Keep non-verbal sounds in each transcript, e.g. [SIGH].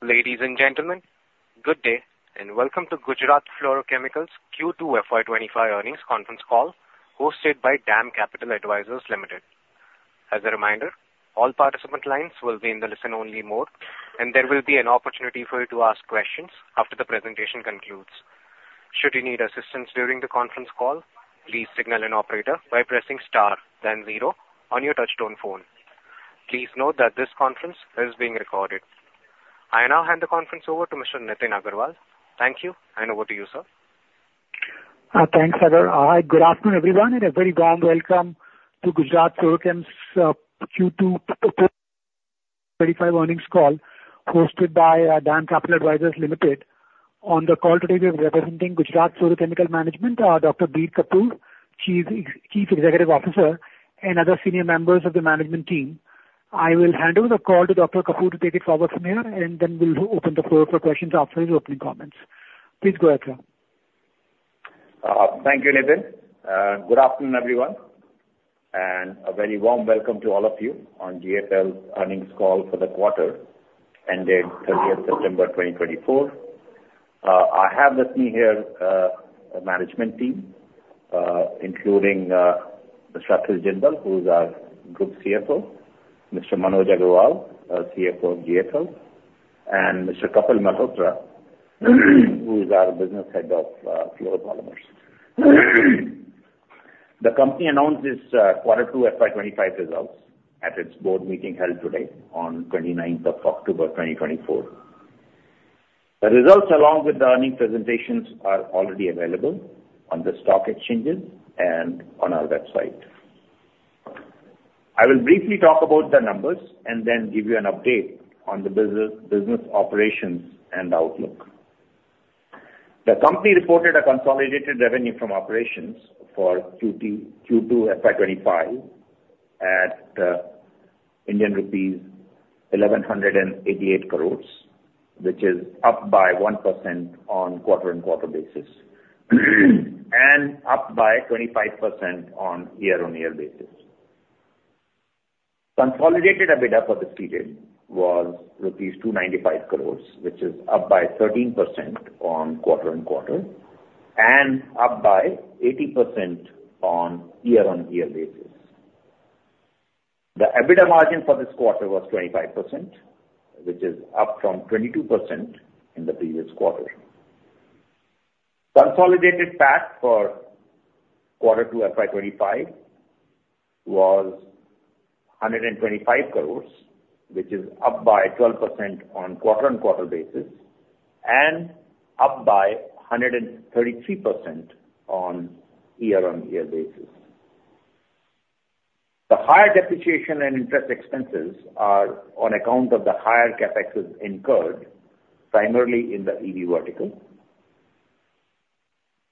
Ladies and gentlemen, good day, and welcome to Gujarat Fluorochemicals Q2 FY 2025 earnings conference call, hosted by DAM Capital Advisors Limited. As a reminder, all participant lines will be in the listen-only mode, and there will be an opportunity for you to ask questions after the presentation concludes. Should you need assistance during the conference call, please signal an operator by pressing star then zero on your touchtone phone. Please note that this conference is being recorded. I now hand the conference over to Mr. Nitin Agarwal. Thank you, and over to you, sir. Thanks, Sagar. Hi, good afternoon, everyone, and a very warm welcome to Gujarat Fluorochem's Q2 FY 2025 earnings call, hosted by DAM Capital Advisors Limited. On the call today, we are representing Gujarat Fluorochemicals management, Dr. Bir Kapoor, Chief Executive Officer, and other senior members of the management team. I will hand over the call to Dr. Kapoor to take it forward from here, and then we'll open the floor for questions after his opening comments. Please go ahead, sir. Thank you, Nitin. Good afternoon, everyone, and a very warm welcome to all of you on GFL's earnings call for the quarter ended 30th September 2024. I have with me here a management team, including Mr. Akhil Jindal, who is our Group CFO, Mr. Manoj Agrawal, our CFO of GFL, and Mr. Kapil Malhotra, who is our Business Head of Fluoropolymers. The company announced its quarter two FY 2025 results at its board meeting held today on 29th of October, 2024. The results, along with the earnings presentations, are already available on the stock exchanges and on our website. I will briefly talk about the numbers and then give you an update on the business operations and outlook. The company reported a consolidated revenue from operations for Q2 FY 2025 at Indian rupees 1,188 crore, which is up by 1% on quarter-on-quarter basis, and up by 25% on year-on-year basis. Consolidated EBITDA for this period was rupees 295 crore, which is up by 13% on quarter-on-quarter and up by 80% on year-on-year basis. The EBITDA margin for this quarter was 25%, which is up from 22% in the previous quarter. Consolidated PAT for quarter two FY 2025 was 125 crore, which is up by 12% on quarter-on-quarter basis and up by 133% on year-on-year basis. The higher depreciation and interest expenses are on account of the higher CapExes incurred, primarily in the EV vertical.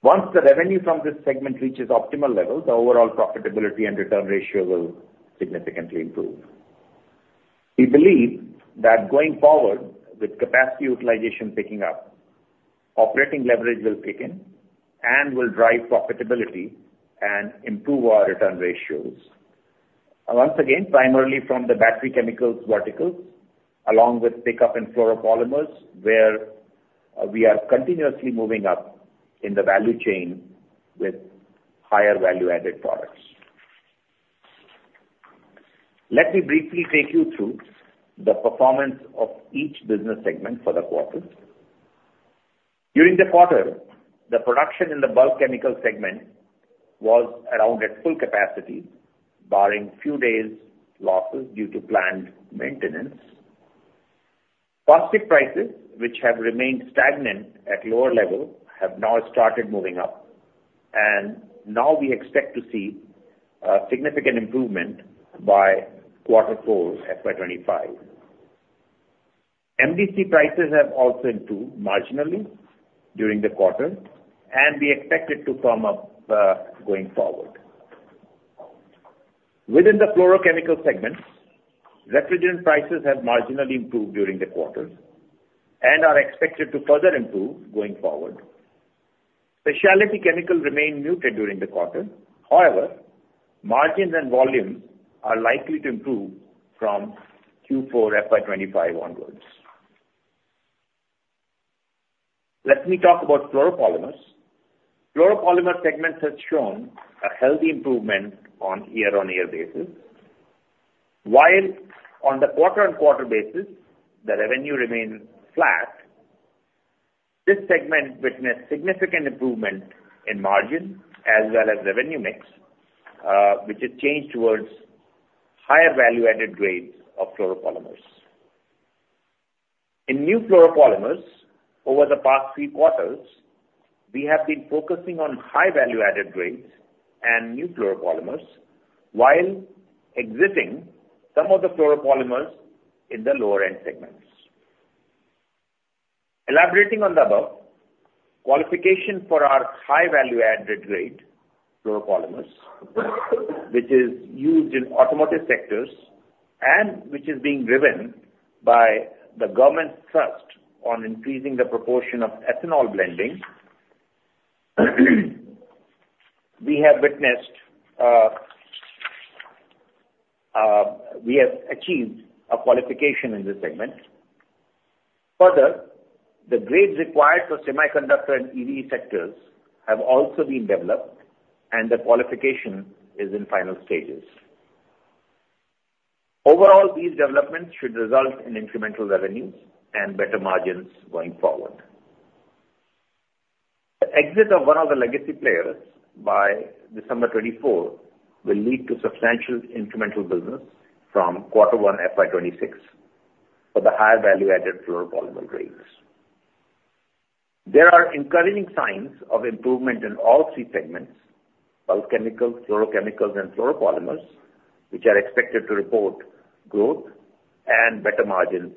Once the revenue from this segment reaches optimal levels, the overall profitability and return ratio will significantly improve. We believe that going forward, with capacity utilization picking up, operating leverage will kick in and will drive profitability and improve our return ratios. Once again, primarily from the battery chemicals verticals, along with pickup in fluoropolymers, where, we are continuously moving up in the value chain with higher value-added products. Let me briefly take you through the performance of each business segment for the quarter. During the quarter, the production in the Bulk Chemical segment was around at full capacity, barring few days losses due to planned maintenance. Caustic prices, which have remained stagnant at lower level, have now started moving up, and now we expect to see a significant improvement by quarter four FY 2025. MDC prices have also improved marginally during the quarter, and we expect it to firm up, going forward. Within the fluorochemical segment, refrigerant prices have marginally improved during the quarter and are expected to further improve going forward. Specialty chemicals remained muted during the quarter, however, margins and volumes are likely to improve from Q4 FY 2025 onwards. Let me talk about Fluoropolymers. Fluoropolymer segments has shown a healthy improvement on year-on-year basis. While on the quarter-on-quarter basis, the revenue remained flat, this segment witnessed significant improvement in margin as well as revenue mix, which has changed towards higher value-added grades of fluoropolymers. In new fluoropolymers, over the past three quarters, we have been focusing on high value-added grades and new fluoropolymers, while exiting some of the fluoropolymers in the lower-end segments. Elaborating on the above, qualification for our high value-added grade fluoropolymers, which is used in automotive sectors and which is being driven by the government's thrust on increasing the proportion of ethanol blending. We have witnessed, we have achieved a qualification in this segment. Further, the grades required for semiconductor and EV sectors have also been developed, and the qualification is in final stages. Overall, these developments should result in incremental revenues and better margins going forward. The exit of one of the legacy players by December 2024 will lead to substantial incremental business from quarter one FY 2026, for the higher value-added fluoropolymer grades. There are encouraging signs of improvement in all three segments: Bulk Chemicals, Fluorochemicals, and Fluoropolymers, which are expected to report growth and better margins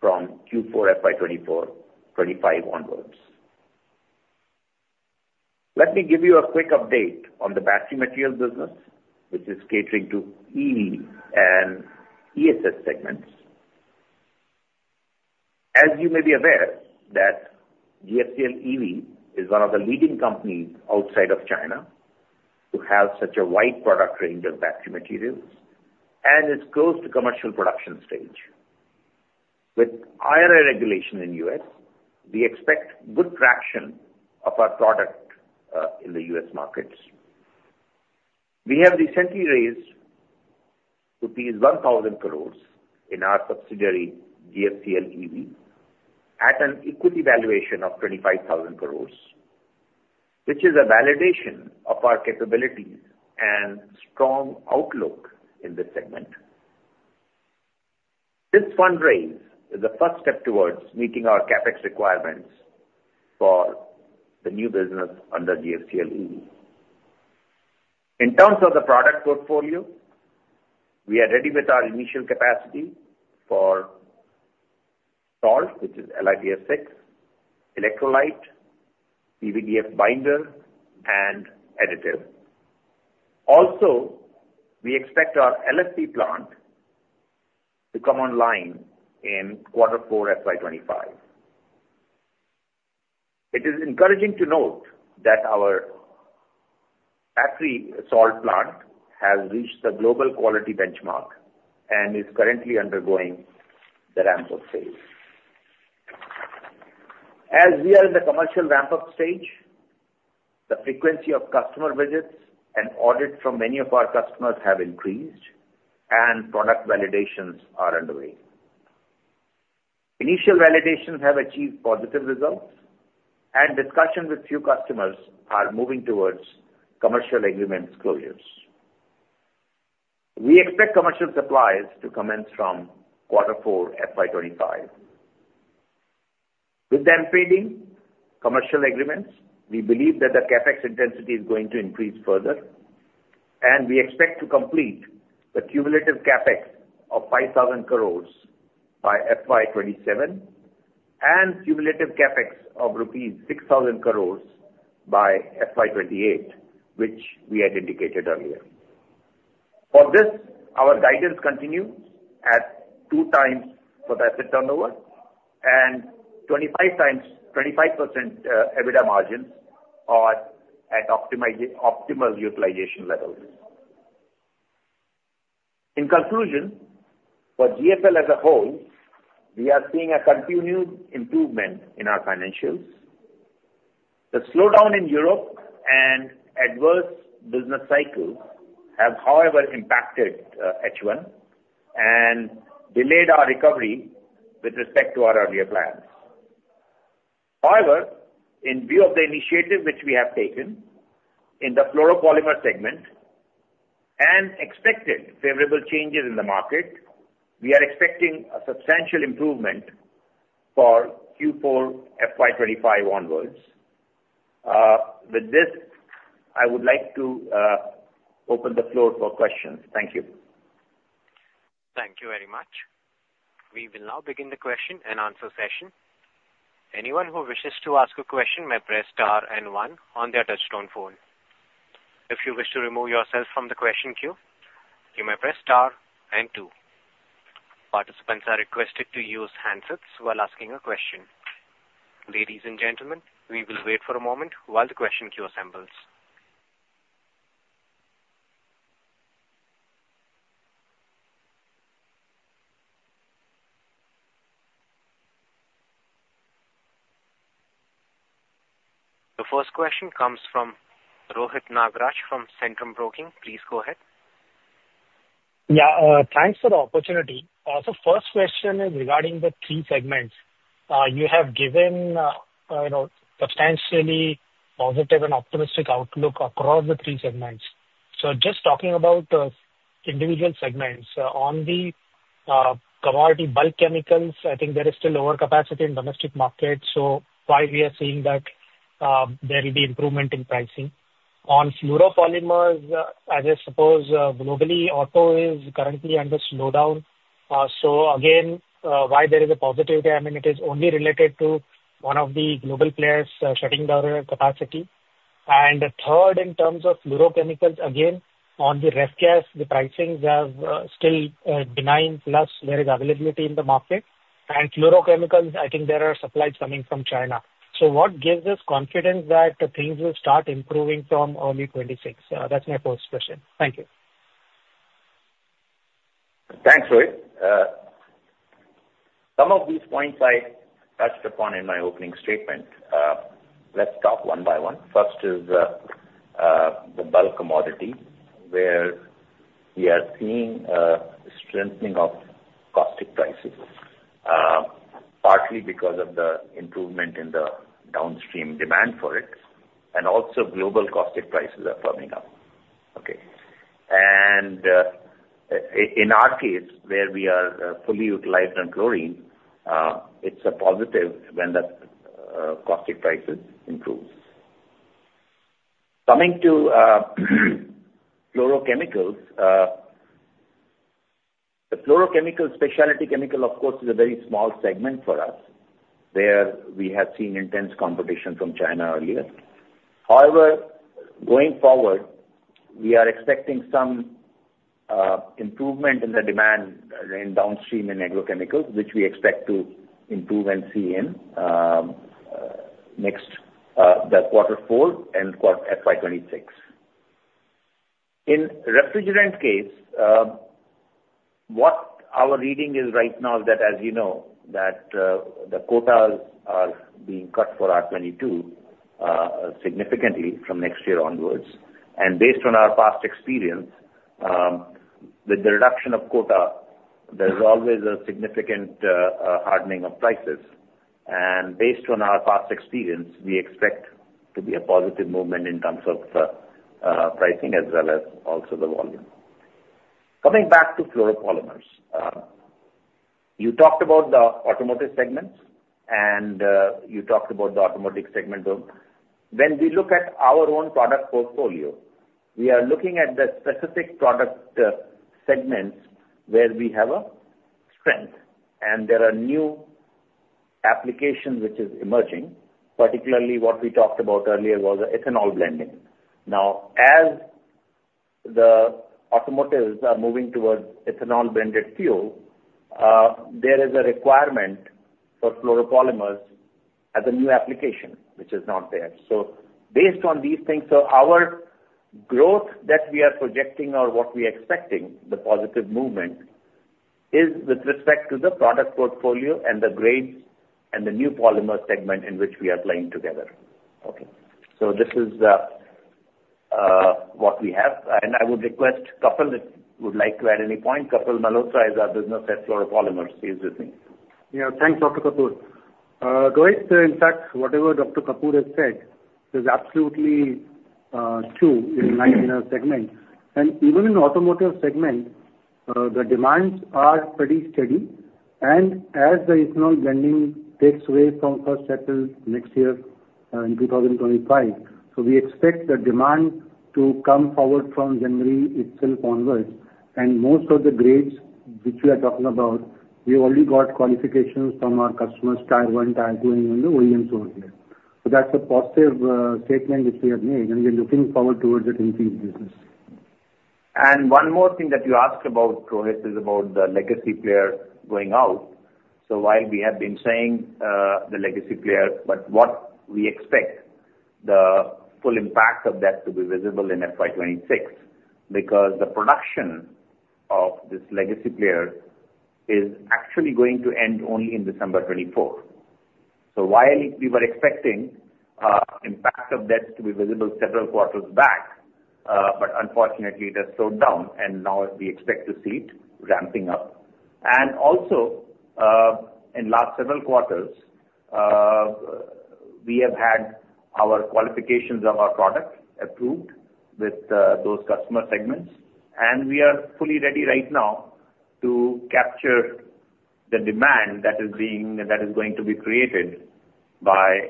from Q4 FY 2024-2025 onwards. Let me give you a quick update on the Battery Materials business, which is catering to EV and ESS segments. As you may be aware, that GFCL EV is one of the leading companies outside of China to have such a wide product range of battery materials. And it's close to commercial production stage. With IRA regulation in U.S., we expect good traction of our product in the U.S. markets. We have recently raised 1,000 crore in our subsidiary, GFCL EV, at an equity valuation of 25,000 crore, which is a validation of our capabilities and strong outlook in this segment. This fundraise is the first step towards meeting our CapEx requirements for the new business under GFCL EV. In terms of the product portfolio, we are ready with our initial capacity for salt, which is LiPF6, electrolyte, PVDF binder, and additive. Also, we expect our LFP plant to come online in quarter four, FY 2025. It is encouraging to note that our battery salt plant has reached the global quality benchmark and is currently undergoing the ramp-up phase. As we are in the commercial ramp-up stage, the frequency of customer visits and audits from many of our customers have increased, and product validations are underway. Initial validations have achieved positive results, and discussions with few customers are moving towards commercial agreements closures. We expect commercial supplies to commence from quarter four, FY 2025. With the impending commercial agreements, we believe that the CapEx intensity is going to increase further. And we expect to complete the cumulative CapEx of 5,000 crore by FY 2027, and cumulative CapEx of rupees 6,000 crore by FY 2028, which we had indicated earlier. For this, our guidance continues at 2x for the asset turnover and 25% EBITDA margins are at optimal utilization levels. In conclusion, for GFL as a whole, we are seeing a continued improvement in our financials. The slowdown in Europe and adverse business cycles have, however, impacted H1 and delayed our recovery with respect to our earlier plans. However, in view of the initiative which we have taken in the Fluoropolymer segment and expected favorable changes in the market, we are expecting a substantial improvement for Q4 FY 2025 onwards. With this, I would like to open the floor for questions. Thank you. Thank you very much. We will now begin the question and answer session. Anyone who wishes to ask a question may press star and one on their touchtone phone. If you wish to remove yourself from the question queue, you may press star and two. Participants are requested to use handsets while asking a question. Ladies and gentlemen, we will wait for a moment while the question queue assembles. The first question comes from Rohit Nagaraj from Centrum Broking. Please go ahead. Yeah, thanks for the opportunity. So first question is regarding the three segments. You have given, you know, substantially positive and optimistic outlook across the three segments. Just talking about the individual segments. On the commodity Bulk Chemicals. I think there is still overcapacity in domestic markets, so why we are seeing that there will be improvement in pricing? On Fluoropolymers, I just suppose globally, auto is currently under slowdown. So again, why there is a positive there? I mean, it is only related to one of the global players shutting down capacity. And third, in terms of Fluorochemicals, again, on the ref gas, the pricings have still benign, plus there is availability in the market. And fluorochemicals, I think there are supplies coming from China. So what gives us confidence that things will start improving from only 2026? That's my first question. Thank you. Thanks, Rohit. Some of these points I touched upon in my opening statement. Let's talk one by one. First is the bulk commodity, where we are seeing strengthening of caustic prices, partly because of the improvement in the downstream demand for it, and also global caustic prices are firming up. Okay, and in our case, where we are fully utilized on chlorine, it's a positive when the caustic prices improves. Coming to Fluorochemicals. The fluorochemical specialty chemical, of course, is a very small segment for us. Where we have seen intense competition from China earlier. However, going forward, we are expecting some improvement in the demand in downstream in agrochemicals, which we expect to improve and see in next the quarter four and FY twenty-six. In refrigerant case, what our reading is right now is that, as you know, that, the quotas are being cut for R-22, significantly from next year onwards. And based on our past experience, with the reduction of quota, there is always a significant, hardening of prices. And based on our past experience, we expect to be a positive movement in terms of, pricing as well as also the volume. Coming back to Fluoropolymers. You talked about the automotive segments, and, you talked about the automotive segment. When we look at our own product portfolio, we are looking at the specific product, segments where we have a strength, and there are new applications which is emerging, particularly what we talked about earlier was the ethanol blending. Now, as the automotives are moving towards ethanol-blended fuel, there is a requirement for fluoropolymers as a new application, which is not there. So based on these things, so our growth that we are projecting or what we are expecting, the positive movement, is with respect to the product portfolio and the grades and the new polymer segment in which we are playing together. Okay, so this is what we have, and I would request Kapil, if would like to add any point. Kapil Malhotra is our Business Head, Fluoropolymers. He is with me. Yeah, thanks, Dr. Kapoor. Rohit, in fact, whatever Dr. Kapoor has said is absolutely true in my, in our segment. And even in automotive segment, the demands are pretty steady. And as the ethanol blending takes away from first quarter next year in 2025 So we expect the demand to come forward from January itself onwards. And most of the grades which we are talking about, we already got qualifications from our customers, Tier 1, Tier 2, and the OEMs over here. So that's a positive statement which we have made, and we're looking forward towards it increased business. One more thing that you asked about, Rohit, is about the legacy player going out. While we have been saying the legacy player, but what we expect the full impact of that to be visible in FY 2026, because the production of this legacy player is actually going to end only in December 2024. While we were expecting impact of that to be visible several quarters back, but unfortunately it has slowed down, and now we expect to see it ramping up. Also, in last several quarters, we have had our qualifications of our product approved with those customer segments. And we are fully ready right now to capture the demand that is going to be created by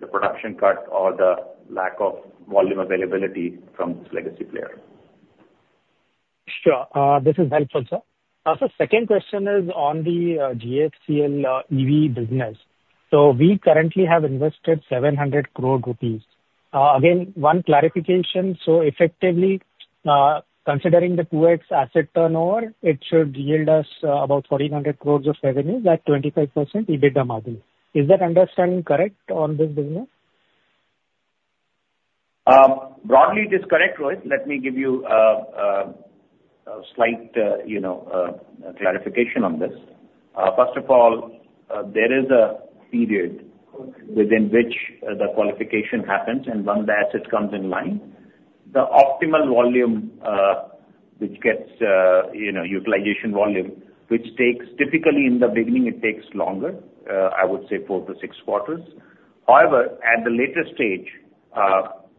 the production cut or the lack of volume availability from this legacy player. Sure. This is helpful, sir. So second question is on the GFCL EV business. So we currently have invested 700 crore rupees. Again, one clarification, so effectively, considering the 2x asset turnover, it should yield us about 1,400 crore of revenue at 25% EBITDA margin. Is that understanding correct on this business? Broadly, it is correct, Rohit. Let me give you a slight, you know, clarification on this. First of all, there is a period within which the qualification happens. And once the asset comes in line, the optimal volume, which gets, you know, utilization volume, which takes typically in the beginning, it takes longer. I would say four to six quarters. However, at the later stage,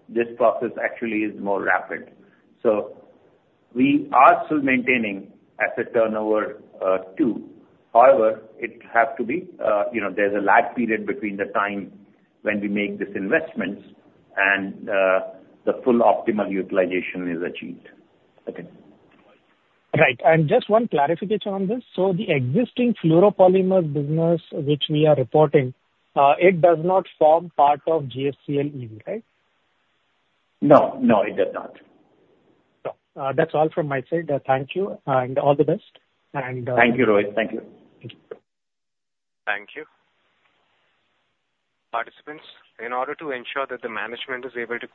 this process actually is more rapid. So we are still maintaining asset turnover, 2x. However, it have to be, you know, there's a lag period between the time when we make these investments and the full optimal utilization is achieved. Okay. Right. And just one clarification on this. So the existing Fluoropolymers business, which we are reporting, it does not form part of GFCL EV, right? No, no, it does not. That's all from my side. Thank you, and all the best. Thank you, Rohit. Thank you. Thank you. Participants, in order to ensure that the management is able to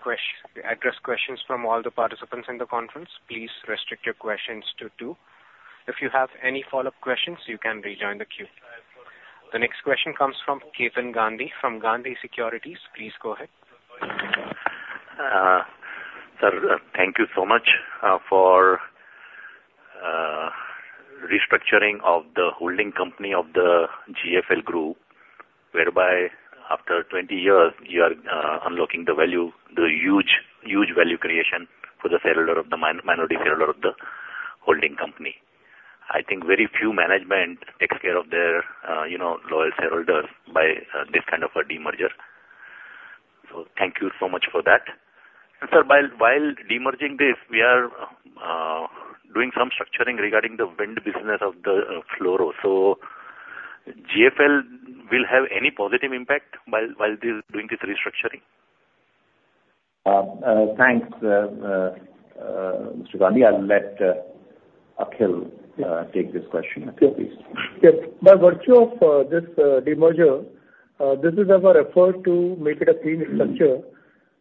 address questions from all the participants in the conference, please restrict your questions to two. If you have any follow-up questions, you can rejoin the queue. The next question comes from Ketan Gandhi from Gandhi Securities. Please go ahead. Sir, thank you so much for restructuring of the holding company of the GFL group. Whereby after 20 years, you are unlocking the value, the huge, huge value creation for the shareholder of the minority shareholder of the holding company. I think very few management takes care of their, you know, loyal shareholders by this kind of a demerger. So thank you so much for that. Sir, while demerging this, we are doing some structuring regarding the wind business of the fluoro. So GFL will have any positive impact while they're doing this restructuring? Thanks, Mr. Gandhi. I'll let Akhil take this question. Akhil, please. Yes. By virtue of this demerger, this is our effort to make it a clean structure,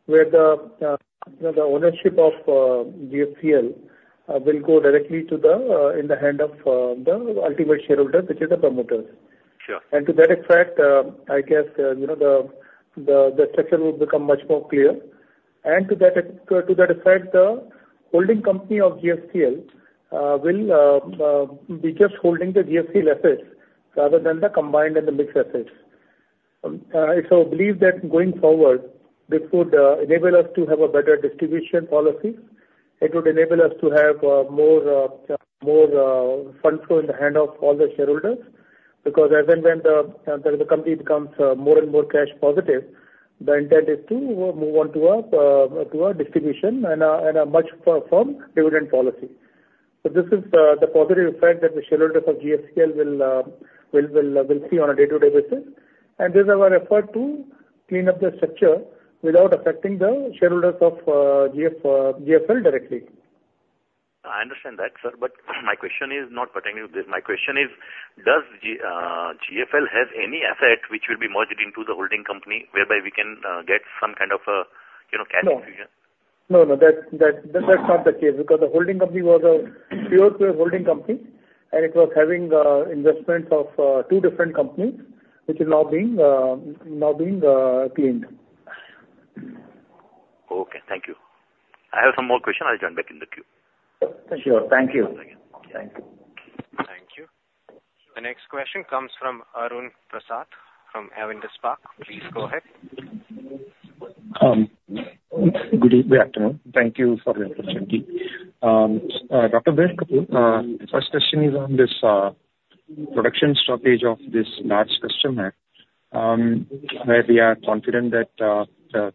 where you know, the ownership of GFCL will go directly into the hands of the ultimate shareholder, which is the promoters. Sure. To that effect, I guess, you know, the structure will become much more clear. To that effect, the holding company of GFCL will be just holding the GFCL assets rather than the combined and the mixed assets. So I believe that going forward, this would enable us to have a better distribution policy. It would enable us to have more fund flow in the hand of all the shareholders, because as and when the company becomes more and more cash positive, the intent is to move on to a distribution and a much firmer dividend policy. So this is the positive effect that the shareholders of GFCL will see on a day-to-day basis. This is our effort to clean up the structure without affecting the shareholders of GFL directly. I understand that, sir, but my question is not pertaining to this. My question is, does GFL have any asset which will be merged into the holding company, whereby we can get some kind of a, you know, cash infusion? No. No, no, that, that, that's not the case. Because the holding company was a pure play holding company, and it was having investments of two different companies, which is now being cleaned. Okay, thank you. I have some more questions. I'll join back in the queue. Sure. Thank you. Thank you. Thank you. The next question comes from Arun Prasath from Avendus Spark. Please go ahead. Good afternoon. Thank you for the opportunity. Dr. Bir Kapoor, first question is on this production stoppage of this large customer, where we are confident that the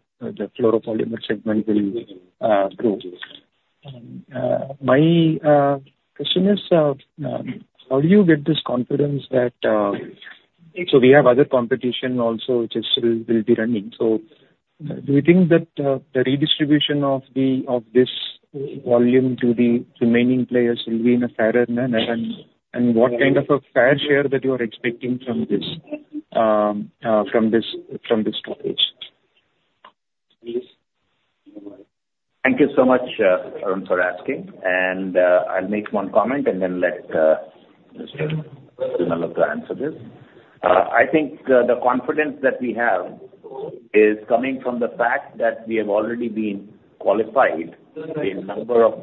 Fluoropolymer segment will grow. My question is, how do you get this confidence that, so we have other competition also, which will be running. So do you think that the redistribution of this volume to the remaining players will be in a fairer manner? And what kind of a fair share that you are expecting from this stoppage? Thank you so much, Arun, for asking. And, I'll make one comment and then let Mr. Malhotra to answer this. I think, the confidence that we have is coming from the fact that we have already been qualified in number of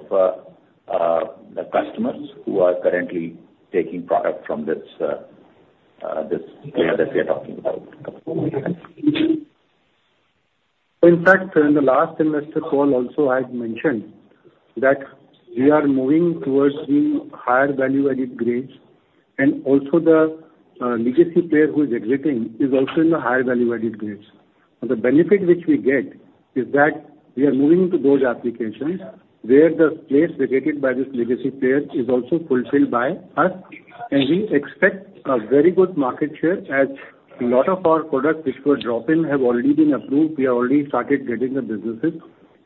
customers who are currently taking product from this player that we are talking about. So in fact, in the last investor call also I had mentioned that we are moving towards the higher value-added grades, and also the legacy player who is exiting is also in the higher value-added grades. The benefit which we get is that we are moving into those applications where the place vacated by this legacy player is also fulfilled by us, and we expect a very good market share as a lot of our products which were drop-in have already been approved. We have already started getting the businesses,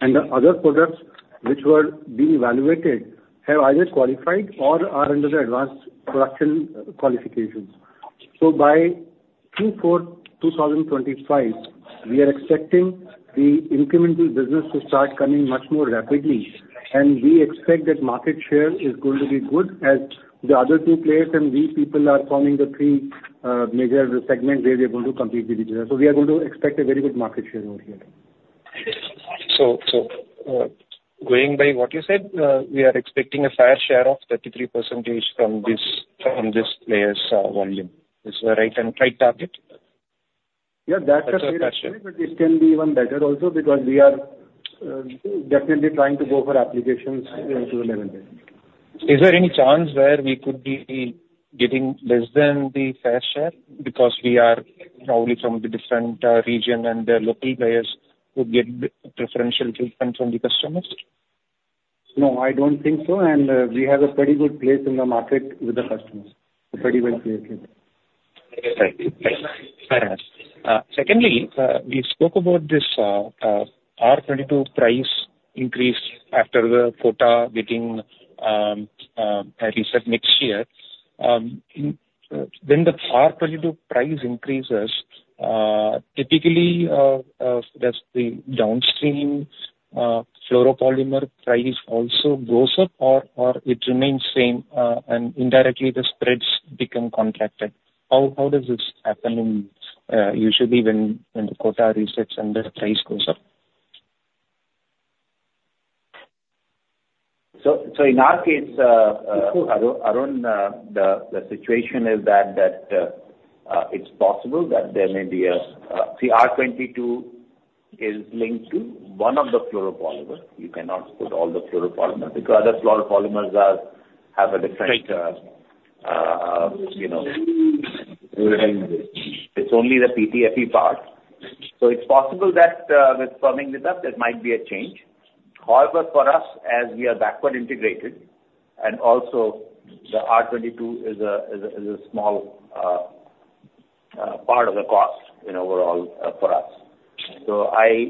and the other products which were being evaluated have either qualified or are under the advanced production qualifications, so by Q4, 2025, we are expecting the incremental business to start coming much more rapidly. We expect that market share is going to be good, as the other two players and we people are forming the three major segment where we are going to compete with each other. We are going to expect a very good market share over here. Going by what you said, we are expecting a fair share of 33% from this player's volume. Is that right and right target? Yeah, that's a fair share. But it can be even better also, because we are definitely trying to go for applications into the market. Is there any chance where we could be getting less than the fair share? Because we are probably from the different region, and the local players would get the preferential treatment from the customers. No, I don't think so, and, we have a pretty good place in the market with the customers. A pretty well place here. Right. Right. Secondly, we spoke about this R-22 price increase after the quota getting reset next year. When the R-22 price increases, typically, does the downstream fluoropolymer price also goes up or it remains same, and indirectly the spreads become contracted? How does this happen usually when the quota resets and the price goes up? So in our case, Arun, the situation is that it's possible that there may be a. See, R-22 is linked to one of the fluoropolymers. You cannot put all the fluoropolymers, because other fluoropolymers are have a different, you know. It's only the PTFE part. So it's possible that, with firming this up, there might be a change. However, for us, as we are backward integrated. And also the R-22 is a small part of the cost in overall, for us. So I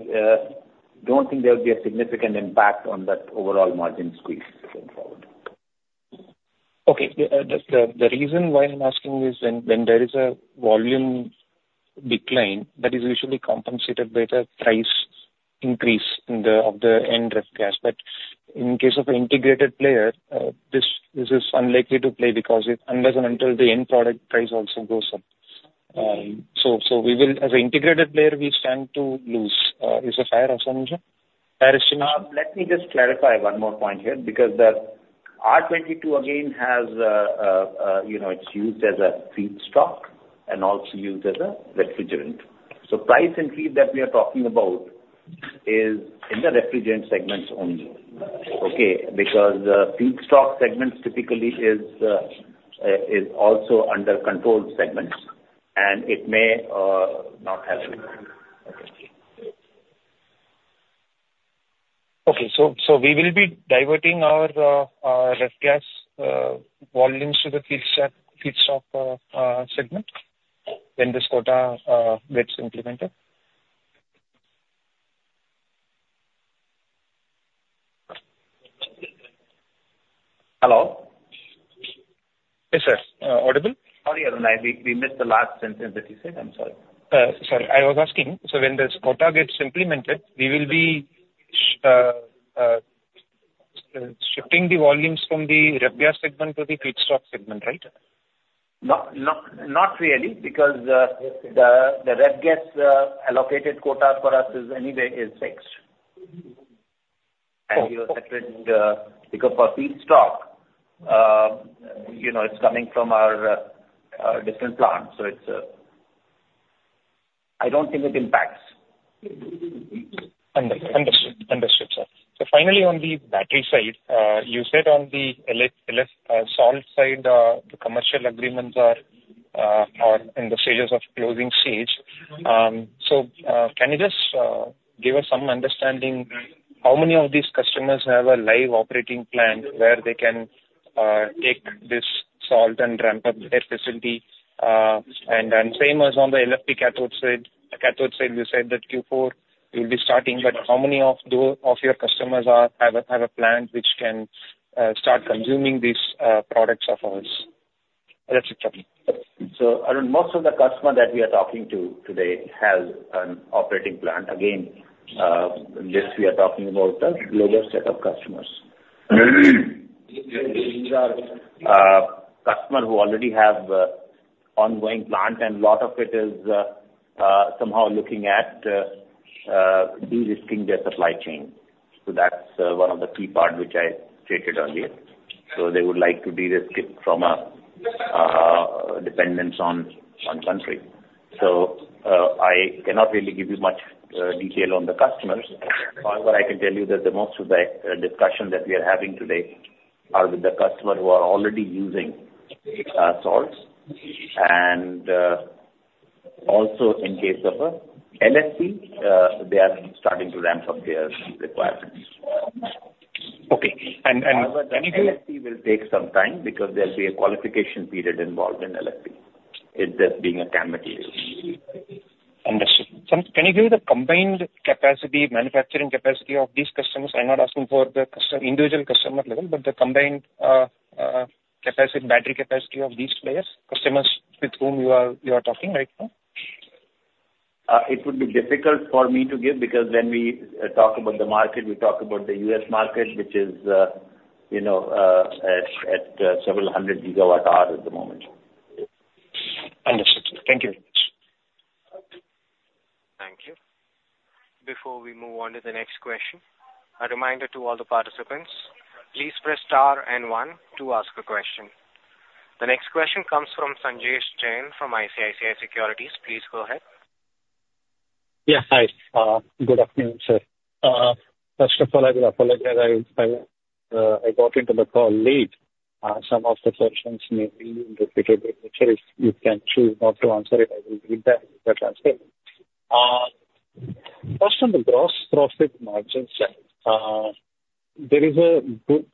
don't think there will be a significant impact on that overall margin squeeze going forward. Okay. The reason why I'm asking is when there is a volume decline, that is usually compensated by the price increase of the end ref gas. But in case of an integrated player, this is unlikely to play because unless and until the end product price also goes up. So we will, as an integrated player, we stand to lose. Is it a fair assumption? Let me just clarify one more point here, because the R-22 again has, you know, it's used as a feedstock and also used as a refrigerant. So price increase that we are talking about is in the refrigerant segments only, okay? Because the feedstock segments typically is also under controlled segments, and it may not help you. Okay. So, we will be diverting our ref gas volumes to the feedstock segment, when this quota gets implemented? Hello? Yes, sir. Audible. Sorry, Arun, we missed the last sentence that you said. I'm sorry. Sorry. I was asking, so when this quota gets implemented, we will be shifting the volumes from the ref gas segment to the feedstock segment, right? No, not really, because. Okay. The refrigerant gas allocated quota for us is anyway fixed. Okay. And we are separate, because for feedstock, you know, it's coming from our different plant. So it's, I don't think it impacts. Understood, sir. Finally, on the battery side. You said on the LFP salt side are, the commercial agreements are in the stages of closing stage. So, can you just give us some understanding how many of these customers have a live operating plant where they can take this salt and ramp up their facility? And then same as on the LFP cathode side. The cathode side, you said that Q4 will be starting, but how many of those customers have a plant which can start consuming these products of ours? So, Arun, most of the customer that we are talking to today have an operating plant. Again, this we are talking about the global set of customers. These are customer who already have ongoing plant, and lot of it is somehow looking at de-risking their supply chain. So that's one of the key part which I stated earlier. So they would like to de-risk it from a dependence on country. So, I cannot really give you much detail on the customers. However, I can tell you that the most of the discussion that we are having today are with the customer who are already using salts. And, also in case of a LFP, they are starting to ramp up their requirements. Okay. And anything- LFP will take some time because there'll be a qualification period involved in LFP, it just being a CAM material. Understood. Can you give me the combined capacity, manufacturing capacity of these customers? I'm not asking for the customer, individual customer level, but the combined capacity, battery capacity of these players, customers with whom you are talking right now. It would be difficult for me to give because when we talk about the market, we talk about the U.S. market, which is, you know, at several hundred gigawatt hour at the moment. Understood. Thank you very much. Thank you. Before we move on to the next question, a reminder to all the participants, please press star and one to ask a question. The next question comes from Sanjesh Jain, from ICICI Securities. Please go ahead. Yeah. Hi. Good afternoon, sir. First of all, I will apologize, I got into the call late. Some of the questions may be repetitive. In which case, you can choose not to answer if I will read that in the transcript. First, on the gross profit margin side, there is a good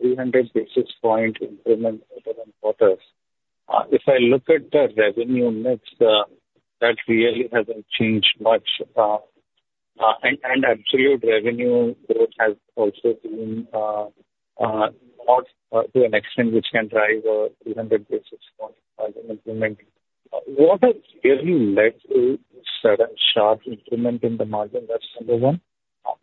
300 basis point improvement quarter-on-quarter. If I look at the revenue mix, that really hasn't changed much. And absolute revenue growth has also been not to an extent which can drive a 300 basis point margin improvement. What has really led to sudden sharp improvement in the margin? That's number one.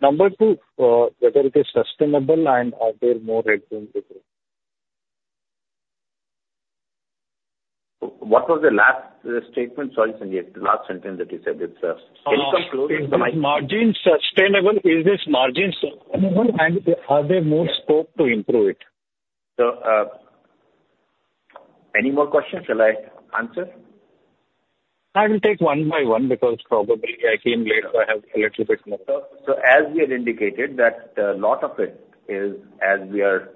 Number two, whether it is sustainable, and are there more room to grow? What was the last statement, sorry, Sanjesh, last sentence that you said? Can you come closer to the mic? Is this margin sustainable, and are there more scope to improve it? So. Any more questions? Shall I answer? I will take one by one, because probably I came late, so I have a little bit more stuff. As we had indicated, a lot of it is, as we are,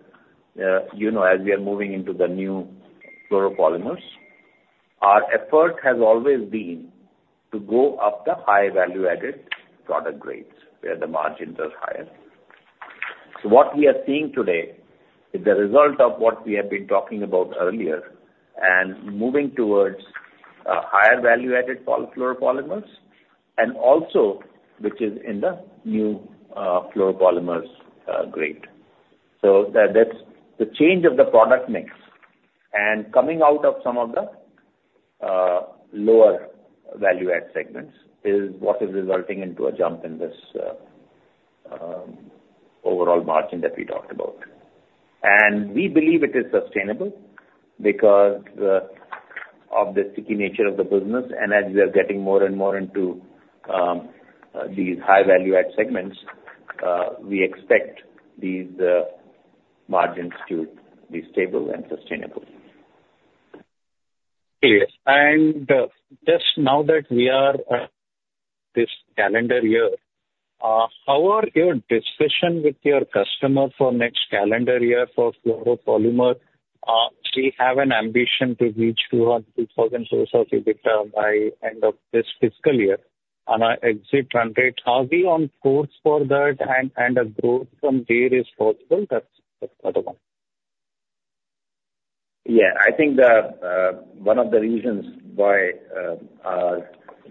you know, as we are moving into the new fluoropolymers. Our effort has always been to go up the high value-added product grades, where the margins are higher. So what we are seeing today is the result of what we have been talking about earlier, and moving towards higher value-added fluoropolymers, and also which is in the new fluoropolymers grade. So that, that's the change of the product mix, and coming out of some of the lower value-add segments, is what is resulting into a jump in this overall margin that we talked about. We believe it is sustainable, because of the sticky nature of the business, and as we are getting more and more into these high value-add segments, we expect these margins to be stable and sustainable. Clear. And just now that we are this calendar year, how are your discussion with your customer for next calendar year for fluoropolymer? Say have an ambition to reach 2,000 crore of EBITDA by end of this fiscal year on an exit run rate. Are we on course for that, and a growth from there is possible? That's another one. Yeah. I think that one of the reasons why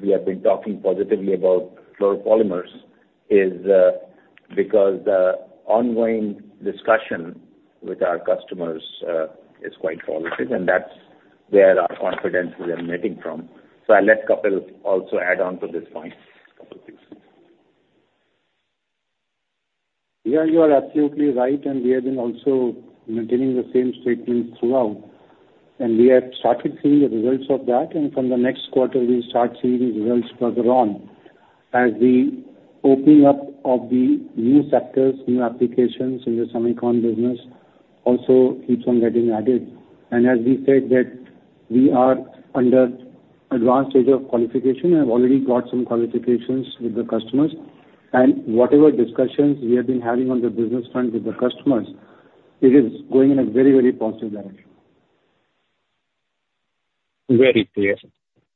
we have been talking positively about fluoropolymers is because the ongoing discussion with our customers is quite positive, and that's where our confidence is emanating from. So I'll let Kapil also add on to this point. Yeah. You are absolutely right. We have been also maintaining the same statement throughout. And we have started seeing the results of that, and from the next quarter, we'll start seeing the results further on. As the opening up of the new sectors, new applications in the semicon business also keeps on getting added. And as we said, that we are under advanced stage of qualification, and have already got some qualifications with the customers. And whatever discussions we have been having on the business front with the customers, it is going in a very, very positive direction. Very clear.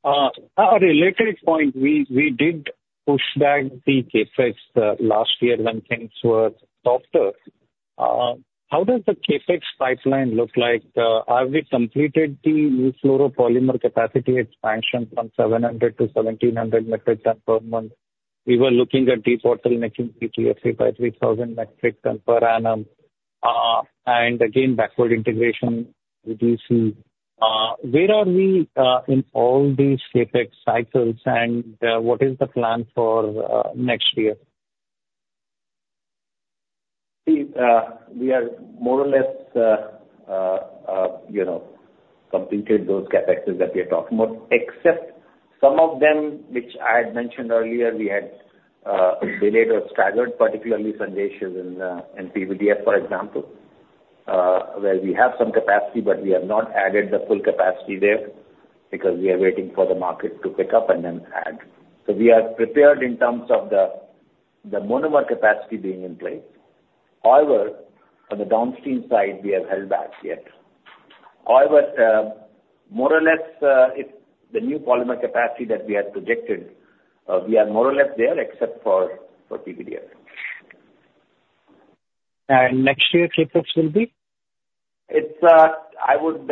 On a related point, we did push back the CapEx last year when things were softer. How does the CapEx pipeline look like? Have we completed the new fluoropolymer capacity expansion from 700 metric ton to 1,700 metric ton per month? We were looking at debottlenecking PTFE by 3,000 metric ton per annum. And again, backward integration, we do see. Where are we in all these CapEx cycles, and what is the plan for next year? See, we are more or less, you know, completed those CapEx that we are talking about. Except some of them which I had mentioned earlier. We had delayed or staggered, particularly Sanjesh, in PVDF, for example. Where we have some capacity, but we have not added the full capacity there, because we are waiting for the market to pick up and then add. We are prepared in terms of the monomer capacity being in place. However, on the downstream side, we have held back yet. However, more or less, it's the new polymer capacity that we had projected, we are more or less there, except for PVDF. And next year CapEx will be? It's, I would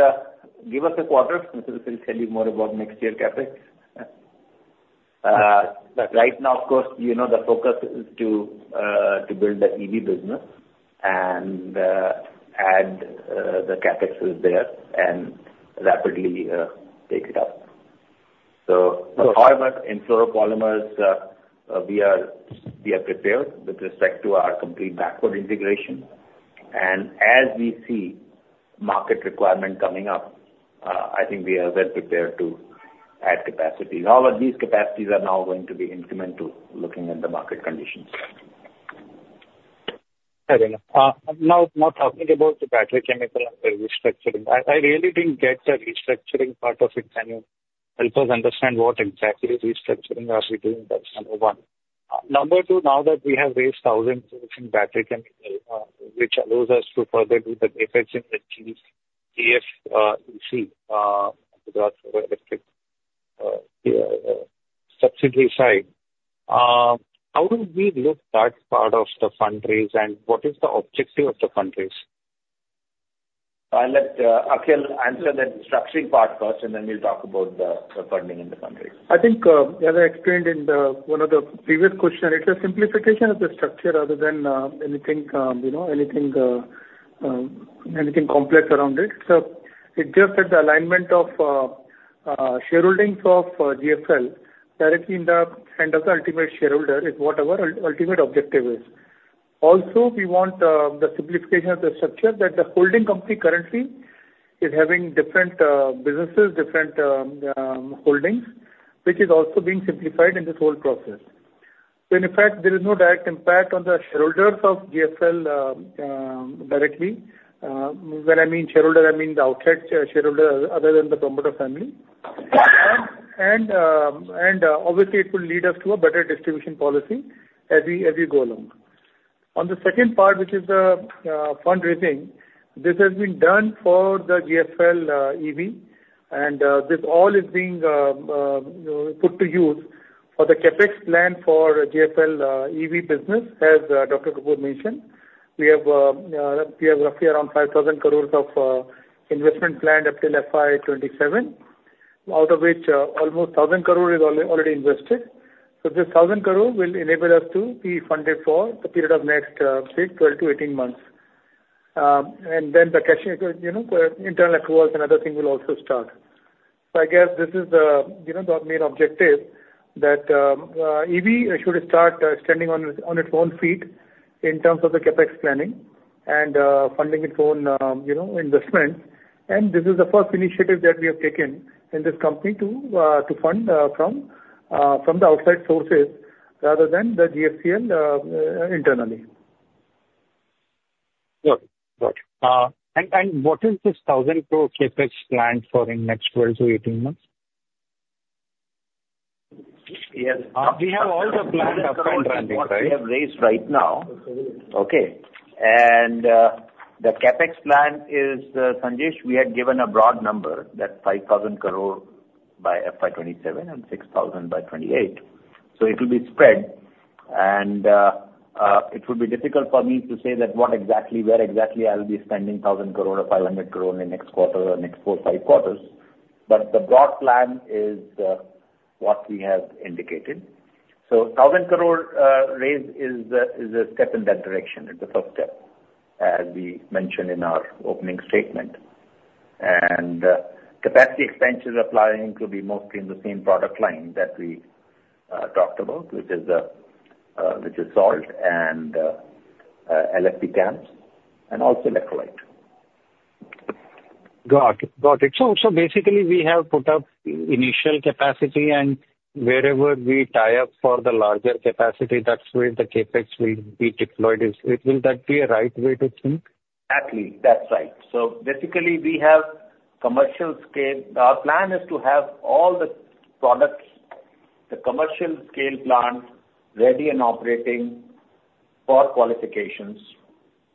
give us a quarter, since this will tell you more about next year CapEx. But right now, of course, you know, the focus is to build the EV business and add the CapEx there and rapidly take it up. So in Fluoropolymers, we are prepared with respect to our complete backward integration. And as we see market requirement coming up, I think we are well prepared to add capacity. However, these capacities are now going to be incremental, looking at the market conditions. Fair enough. Now talking about the battery chemical and the restructuring, I really didn't get the restructuring part of it. Can you help us understand what exactly restructuring are we doing? That's number one. Number two, now that we have raised 1,000 crore in battery chemical, which allows us to further do the CapEx in the [audio distrotion] subsidiary side, how do we look at that part of the fundraise? And what is the objective of the fundraise? I'll let Akhil answer that structuring part first, and then we'll talk about the funding and the fundraise. I think, as I explained in the one of the previous question, it's a simplification of the structure rather than anything you know, anything complex around it. So it's just that the alignment of shareholdings of GFL directly in the hand of the ultimate shareholder is what our ultimate objective is. Also, we want the simplification of the structure that the holding company currently is having different businesses, different holdings, which is also being simplified in this whole process. So in effect, there is no direct impact on the shareholders of GFL directly. When I mean shareholder, I mean the outside shareholder, other than the promoter family. And obviously, it will lead us to a better distribution policy as we go along. On the second part, which is the fundraising, this has been done for the GFL EV, and this all is being, you know, put to use for the CapEx plan for GFL EV business, as Dr. Kapoor mentioned. We have roughly around 5,000 crore of investment planned up till FY 2027. Out of which almost 1,000 crore is already invested. So this 1,000 crore will enable us to be funded for the period of next, say, 12 months-18 months. And then the cash, you know, internal workflows and other things will also start. So I guess this is the, you know, the main objective, that EV should start standing on its own feet in terms of the CapEx planning and funding its own, you know, investment. This is the first initiative that we have taken in this company to fund from the outside sources, rather than the GFCL internally. Good. Good. And what is this 1,000 crore CapEx plan for in next 12 months-18 months? Yes. We have all the planned upfront funding, right? We have raised right now, okay? And the CapEx plan is, Sanjesh, we had given a broad number, that 5,000 crore by FY 2027 and 6,000 crore by 2028. So it will be spread, and it would be difficult for me to say that what exactly, where exactly I'll be spending 1,000 crore or 500 crore in the next quarter or next four quarters, five quarters, but the broad plan is what we have indicated. So 1,000 crore raised is a step in that direction. It's a first step, as we mentioned in our opening statement. And capacity expansions applying will be mostly in the same product line that we talked about, which is salt and LFP CAM and also electrolyte. Got it. Got it. So, basically, we have put up initial capacity, and wherever we tie up for the larger capacity, that's where the CapEx will be deployed. Will that be a right way to think? Exactly. That's right. So basically, we have commercial scale. Our plan is to have all the products, the commercial scale plant, ready and operating for qualifications,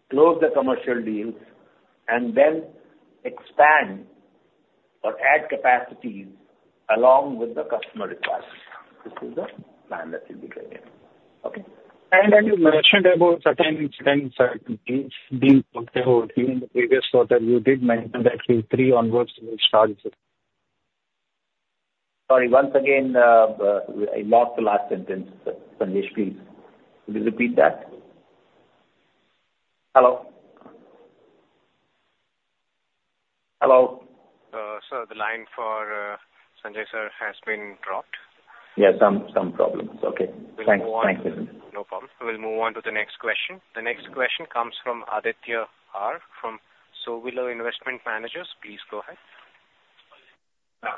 close the commercial deals, and then expand or add capacities along with the customer requests. This is the plan that we've been getting. Okay? As you mentioned about certain in the previous quarter, you did mention that Q3 onwards will start with. Sorry, once again, I lost the last sentence, Sanjesh, please. Could you repeat that? Hello? Hello. Sir, the line for Sanjesh, sir, has been dropped. Yeah, some problems. Okay, thanks. Thanks. No problem. We'll move on to the next question. The next question comes from Aditya R, from Sowilo Investment Managers. Please go ahead.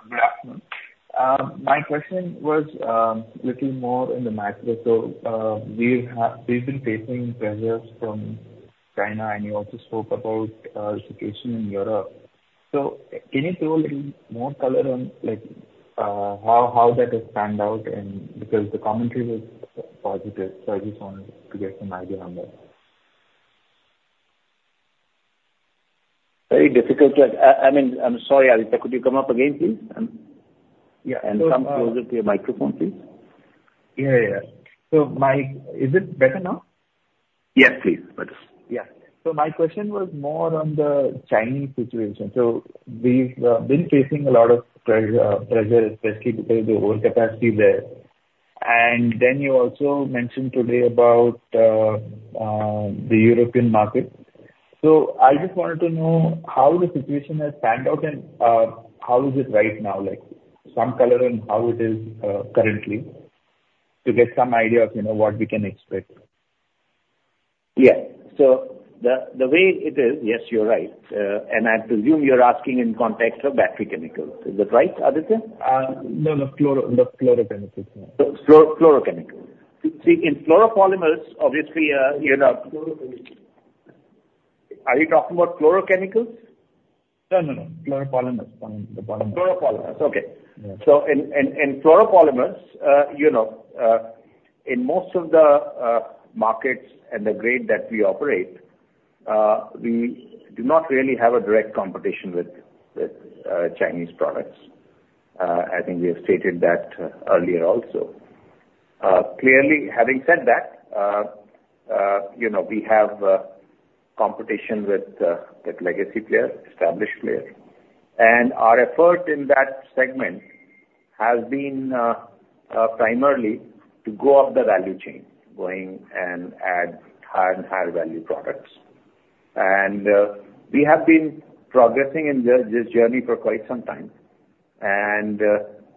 Good afternoon. My question was little more in the macro. So, we have been facing pressures from China, and you also spoke about situation in Europe. Can you throw a little more color on, like, how that has panned out? And because the commentary was positive, so I just wanted to get some idea on that. Very difficult to... I mean, I'm sorry, Aditya. Could you come up again, please? Yeah. And come closer to your microphone, please. Yeah, yeah. So my... Is it better now? Yes, please. Better. Yeah. So my question was more on the Chinese situation. So we've been facing a lot of pressure, especially because the overcapacity there. And then you also mentioned today about the European market. So I just wanted to know how the situation has panned out and how is it right now, like, some color on how it is currently, to get some idea of, you know, what we can expect. Yeah. So the way it is, yes, you're right, and I presume you're asking in context of battery chemicals. Is that right, Aditya? No, of chloro, the chlorochemicals. Chlorochemicals. See, in Fluoropolymers, obviously, you know- Fluoropolymers. Are you talking about Chlorochemicals? No, no, no. Fluoropolymers. Polymers, the polymers. Fluoropolymers. Okay. Yeah. So in Fluoropolymers, you know, in most of the markets and the grade that we operate, we do not really have a direct competition with Chinese products. I think we have stated that earlier also. Clearly, having said that, you know, we have competition with legacy players, established players. And our effort in that segment has been primarily to go up the value chain, going and add higher and higher value products. We have been progressing in this journey for quite some time, and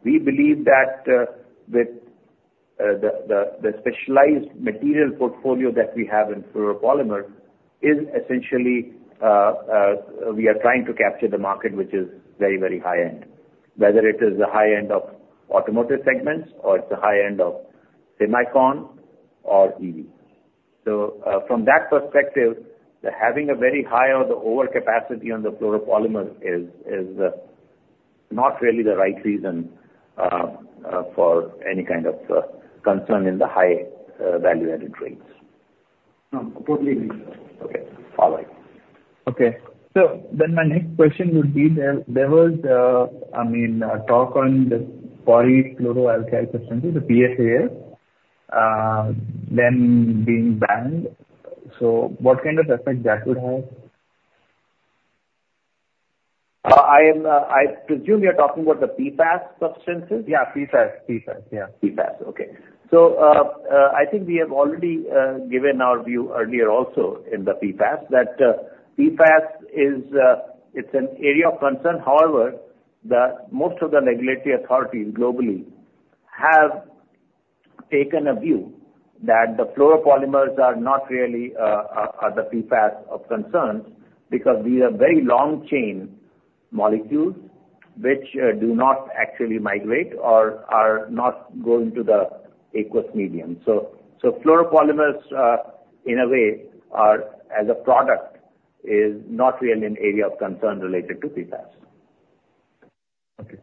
we believe that with the specialized material portfolio that we have in fluoropolymer is essentially we are trying to capture the market, which is very, very high end. Whether it is the high end of automotive segments or it is the high end of semicon or EV. From that perspective, having a very high or the overcapacity on the fluoropolymer is not really the right reason for any kind of concern in the high value-added rates. No, totally agree. Okay. All right. Okay. So then my next question would be, there was, I mean, talk on the Polyfluoroalkyl substances, the PFAS, them being banned. So what kind of effect that would have? I am, I presume you're talking about the PFAS substances? Yeah, PFAS. PFAS, yeah. PFAS, okay. So, I think we have already given our view earlier also in the PFAS. That PFAS is, it's an area of concern. However, the most of the regulatory authorities globally have taken a view that the fluoropolymers are not really the PFAS of concern, because these are very long chain molecules which do not actually migrate or are not going to the aqueous medium. So, fluoropolymers in a way, as a product, is not really an area of concern related to PFAS. Okay.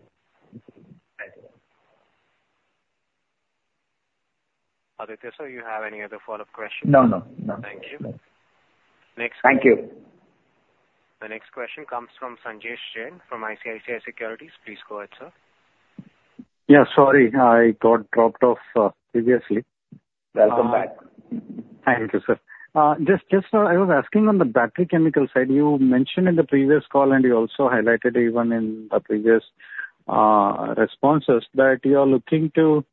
Thank you. Aditya, sir, you have any other follow-up questions? No, no, no. Thank you. Next. Thank you. The next question comes from Sanjesh Jain, from ICICI Securities. Please go ahead, sir. Yeah, sorry, I got dropped off previously. Welcome back. Thank you, sir. Just now, I was asking on the battery chemical side. You mentioned in the previous call, and you also highlighted even in the previous responses, that you are looking to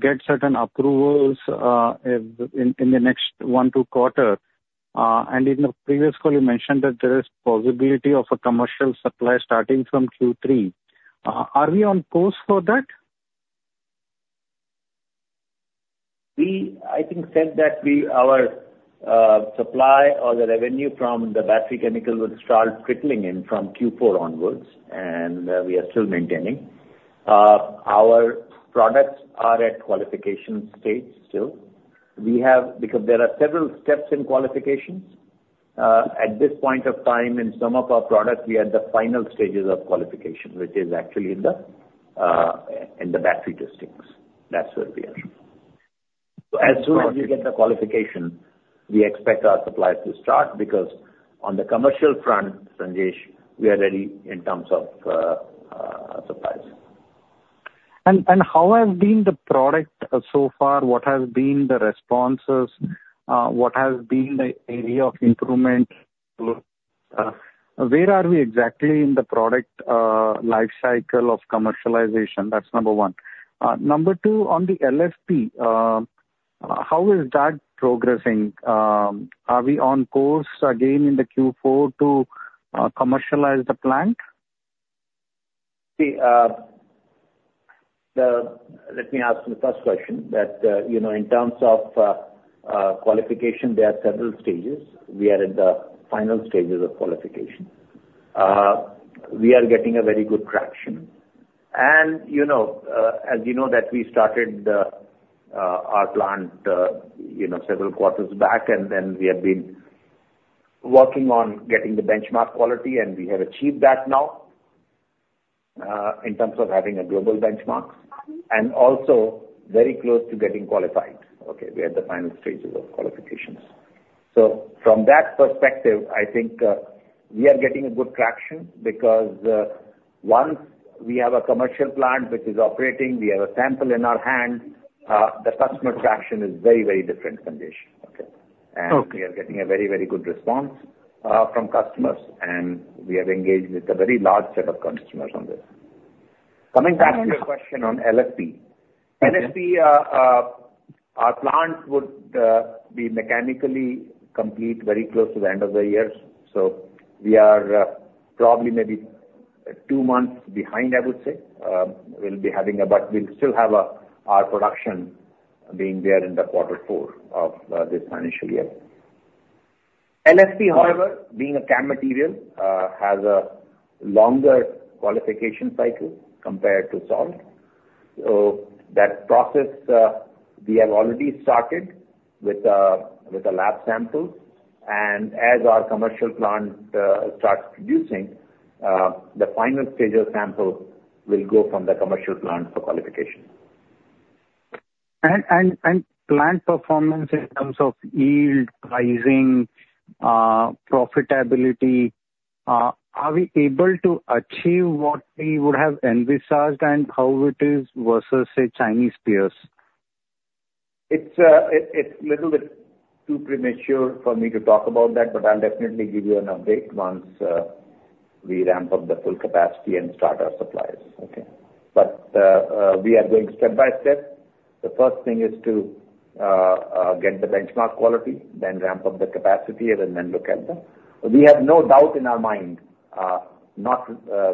get certain approvals in the next one quarter-two quarter. And in the previous call, you mentioned that there is possibility of a commercial supply starting from Q3. Are we on course for that? We, I think, said that we, our, supply or the revenue from the battery chemical would start trickling in from Q4 onwards, and we are still maintaining. Our products are at qualification stage still. We have, because there are several steps in qualifications. At this point of time, in some of our products, we are at the final stages of qualification, which is actually in the battery tests. That's where we are. So as soon as we get the qualification, we expect our supplies to start, because on the commercial front, Sanjesh, we are ready in terms of supplies. How has been the product so far? What has been the responses? What has been the area of improvement? Where are we exactly in the product life cycle of commercialization? That's number one. Number two, on the LFP, how is that progressing? Are we on course again in the Q4 to commercialize the plant? Let me answer the first question, that, you know, in terms of qualification, there are several stages. We are in the final stages of qualification. We are getting a very good traction. And, you know, as you know, that we started our plant, you know, several quarters back, and then we have been working on getting the benchmark quality, and we have achieved that now, in terms of having a global benchmark, and also very close to getting qualified. Okay, we are at the final stages of qualifications. So from that perspective, I think, we are getting a good traction because, once we have a commercial plant which is operating, we have a sample in our hand, the customer traction is very, very different foundation. Okay? Okay. And we are getting a very, very good response from customers, and we have engaged with a very large set of customers on this. Coming back to your question on LFP. Okay. LFP, our plant would be mechanically complete very close to the end of the year. So we are probably maybe two months behind, I would say. We'll be having, but we'll still have our production being there in the quarter four of this financial year. LFP, however, being a CAM material, has a longer qualification cycle compared to salt. So that process we have already started with the lab sample, and as our commercial plant starts producing, the final stage of sample will go from the commercial plant for qualification. Plant performance in terms of yield, pricing, profitability, are we able to achieve what we would have envisaged and how it is versus, say, Chinese peers? It's little bit too premature for me to talk about that, but I'll definitely give you an update once we ramp up the full capacity and start our supplies. Okay. But we are going step by step. The first thing is to get the benchmark quality, then ramp up the capacity, and then look at them. We have no doubt in our mind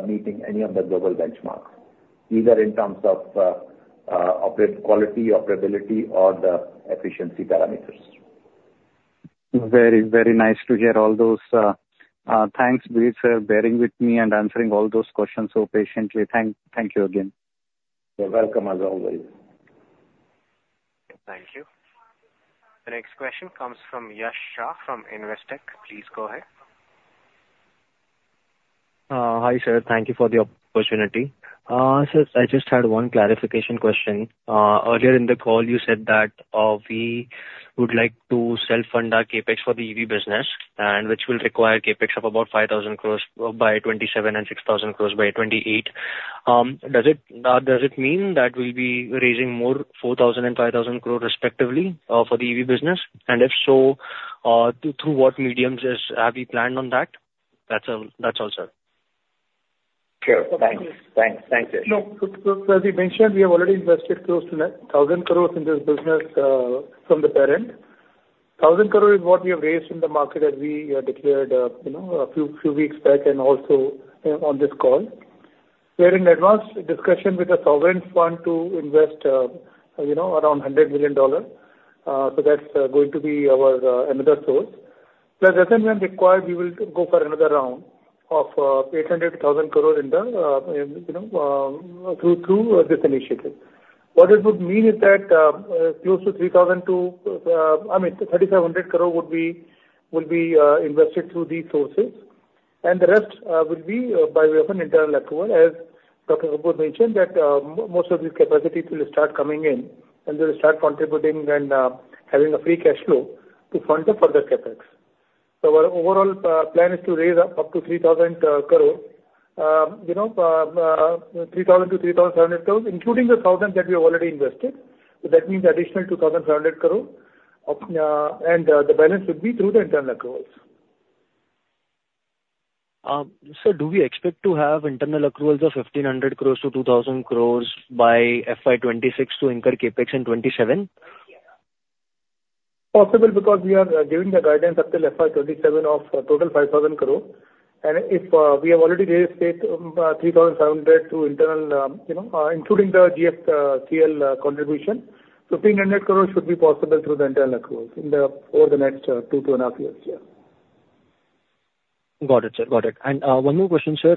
meeting any of the global benchmarks, either in terms of output quality, operability or the efficiency parameters. Very, very nice to hear all those thanks please for bearing with me and answering all those questions so patiently. Thank you again. You're welcome, as always. Thank you. The next question comes from Yash Shah from Investec. Please go ahead. Hi, sir. Thank you for the opportunity. So I just had one clarification question. Earlier in the call you said that we would like to self-fund our CapEx for the EV business, and which will require CapEx of about 5,000 crore by 2027 and 6,000 crore by 2028. Does it mean that we'll be raising more, 4,000 and 5,000 crore respectively, for the EV business? And if so, through what mediums have you planned on that? That's all, sir. Sure. Thanks. Thanks, Yash. No, so as we mentioned, we have already invested close to 1,000 crore in this business, from the parent. 1,000 crore is what we have raised in the market as we declared, you know, a few weeks back and also on this call. We are in advanced discussion with a sovereign fund to invest, you know, around $100 million. So that's going to be our another source. Plus, as and when required, we will go for another round of 800 crore-1,000 crore in the, you know, through this initiative. What it would mean is that close to 3,000 crore, I mean, 3,700 crore would be, will be, invested through these sources. And the rest will be by way of an internal accrual. As Dr. Kapoor mentioned that most of these capacities will start coming in, and they will start contributing and having a free cash flow to fund the further CapEx. So our overall plan is to raise up to 3,000 crore, you know, 3,000 crore-3,700 crore, including the 1,000 crore that we have already invested. So that means additional 2,700 crore, and the balance would be through the internal accruals. Sir, do we expect to have internal accruals of 1,500 crore to 2,000 crore by FY 2026 to anchor CapEx in 2027? Possible, because we are giving the guidance until FY 2027 of total 5,000 crore. And if we have already raised 3,700 to internal, you know, including the GFCL contribution. So 300 crore should be possible through the internal accruals over the next two years-2.5 years. Yeah. Got it, sir. Got it. And, one more question, sir.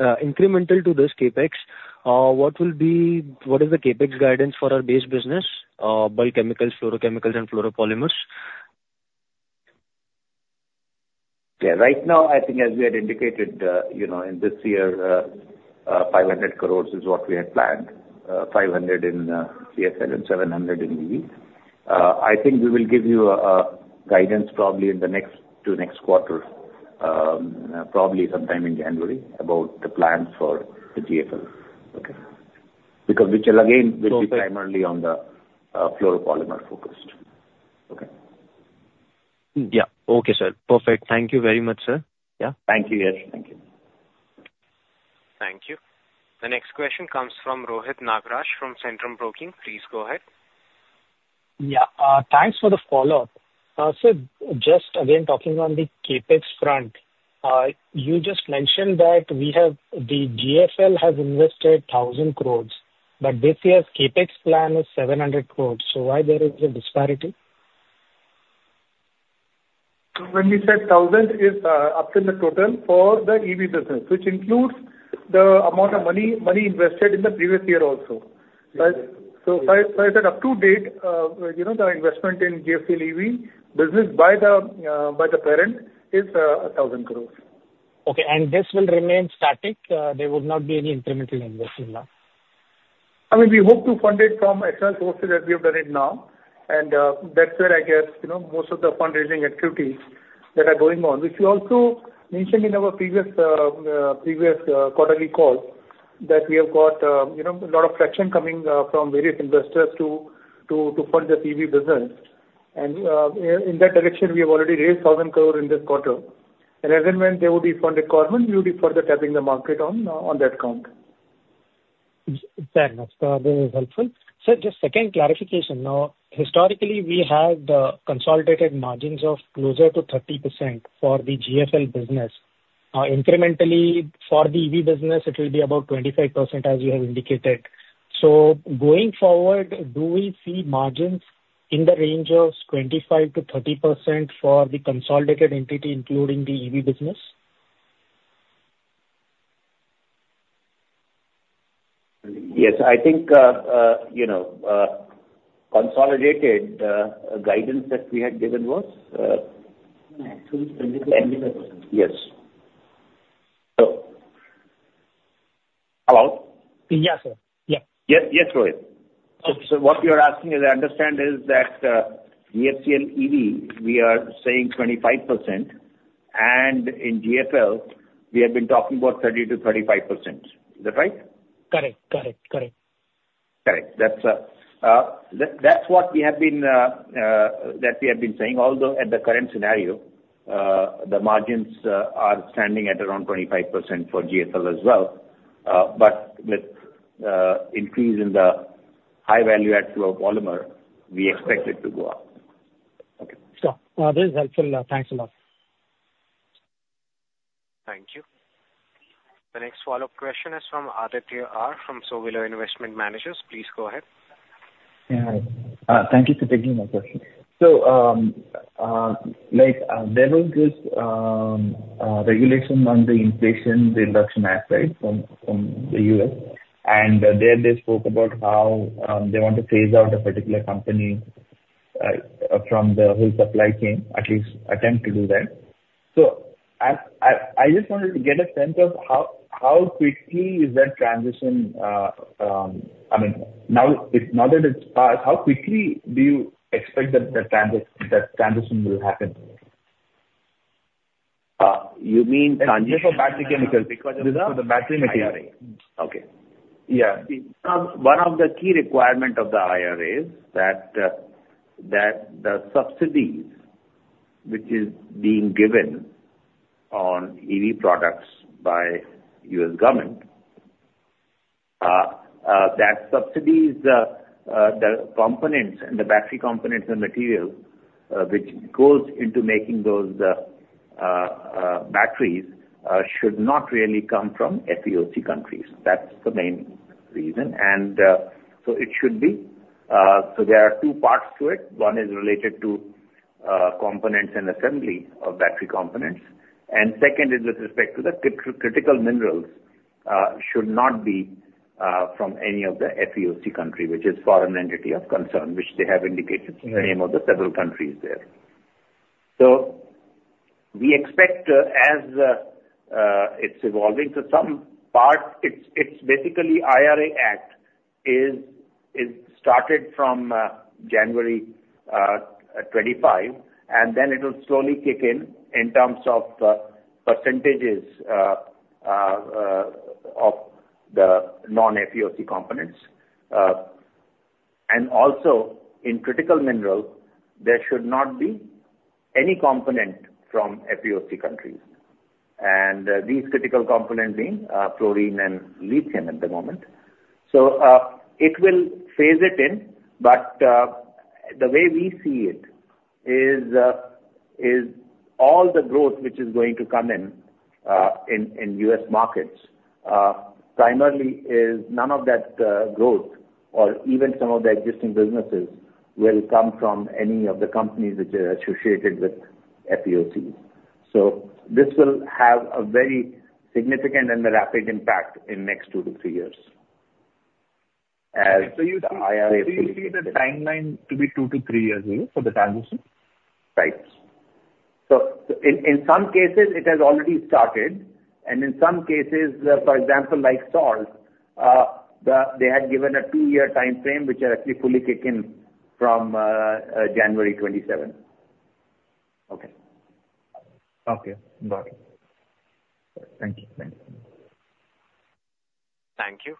Incremental to this CapEx, what will be, what is the CapEx guidance for our base business by chemicals, fluorochemical and fluoropolymers? Yeah. Right now, I think as we had indicated, you know, in this year, 500 crore is what we had planned. 500 crore in GFL and 700 crore in EV. I think we will give you guidance probably in the next to next quarter, probably sometime in January, about the plans for the GFL. Okay. Because which again, will be primarily on the fluoropolymer focused. Okay. Yeah. Okay, sir. Perfect. Thank you very much, sir. Yeah. Thank you, Yash. Thank you. Thank you. The next question comes from Rohit Nagaraj from Centrum Broking. Please go ahead. Yeah. Thanks for the follow-up. So just again, talking on the CapEx front. You just mentioned that we have, the GFL has invested 1,000 crore. But this year's CapEx plan is 700 crore, so why there is a disparity? So when we said 1,000 crore is up in the total for the EV business, which includes the amount of money invested in the previous year also. So as of up-to-date, you know, the investment in GFL EV business by the parent is 1,000 crore. Okay, and this will remain static? There would not be any incremental investment now? I mean, we hope to fund it from external sources, as we have done it now. And that's where I guess, you know, most of the fundraising activities that are going on. Which we also mentioned in our previous quarterly call, that we have got, you know, a lot of traction coming from various investors to fund the EV business. And in that direction, we have already raised 1,000 crore in this quarter. And as and when there would be fund requirement, we will be further tapping the market on that count. Fair enough. This is helpful. Sir, just second clarification. Now, historically, we had consolidated margins of closer to 30% for the GFL business. Incrementally for the EV business, it will be about 25%, as you have indicated. So going forward, do we see margins in the range of 25%-30% for the consolidated entity, including the EV business? Yes. I think, you know, consolidated guidance that we had given was? [AUDIO DISTORTION] Yes. Yeah, sir. Yeah. Yes. Yes, Rohit. So what you're asking, as I understand is that, GFCL EV, we are saying 25%. And in GFL, we have been talking about 30%-35%. Is that right? Correct. Correct. Correct. Correct. That's what we have been saying, although at the current scenario, the margins are standing at around 25% for GFL as well. But with increase in the high value-add fluoropolymer, we expect it to go up. Okay. So, this is helpful. Thanks a lot. Thank you. The next follow-up question is from Aditya R from Sowilo Investment Managers. Please go ahead. Yeah. Thank you for taking my question. So, like, there was this regulation on the Inflation Reduction Act, right, from the U.S. And there they spoke about how they want to phase out a particular company from the whole supply chain, at least attempt to do that. So I just wanted to get a sense of how quickly is that transition. I mean, now that it's passed, how quickly do you expect that transition will happen? You mean transition for battery chemicals? Because of the battery material. Okay. Yeah. One of the key requirement of the IRA is that, that the subsidies which is being given on EV products by U.S. government, that subsidies, the components and the battery components and materials, which goes into making those, batteries, should not really come from FEOC countries. That's the main reason. And, so it should be. So there are two parts to it. One is related to, components and assembly of battery components. and second is with respect to the critical minerals, should not be, from any of the FEOC country, which is Foreign Entity Of Concern, which they have indicated the name of the several countries there. So we expect, as it's evolving, so some part it's basically IRA Act is started from January 2025. And then it will slowly kick in, in terms of percentages of the non-FEOC components. And also in critical minerals, there should not be any component from FEOC countries, and these critical components being fluorine and lithium at the moment. So it will phase it in, but the way we see it is all the growth which is going to come in in U.S. markets primarily is none of that growth or even some of the existing businesses will come from any of the companies which are associated with FEOC. So this will have a very significant and rapid impact in next two years-three years, as the IRA fully kicks in. So you see the timeline to be two years-three years only for the transition? Right. So in some cases it has already started. And in some cases, for example, like salt, they had given a two-year timeframe, which will actually fully kick in from January 2027. Okay. Okay, got it. Thank you. Thank you. Thank you.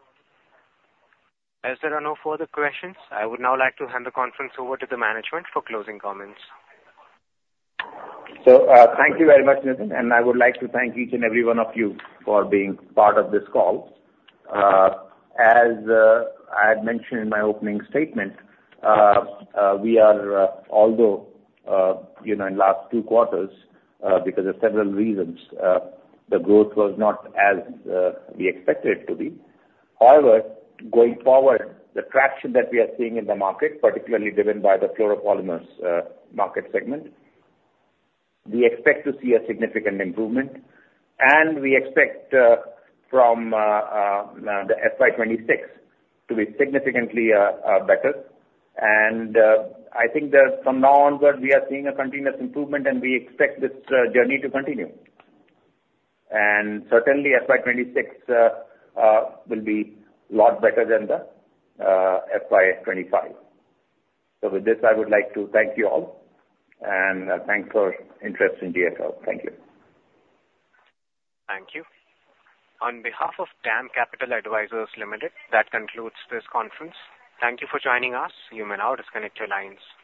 As there are no further questions, I would now like to hand the conference over to the management for closing comments. Thank you very much, Nitin, and I would like to thank each and every one of you for being part of this call. As I had mentioned in my opening statement, although you know, in last two quarters, because of several reasons, the growth was not as we expected it to be. However, going forward, the traction that we are seeing in the market, particularly driven by the fluoropolymers market segment, we expect to see a significant improvement. And we expect from the FY 2026 to be significantly better, and I think that from now onwards, we are seeing a continuous improvement, and we expect this journey to continue and certainly FY 2026 will be a lot better than the FY 2025. So with this, I would like to thank you all, and, thanks for interest in GFL. Thank you. Thank you. On behalf of DAM Capital Advisors Limited, that concludes this conference. Thank you for joining us. You may now disconnect your lines.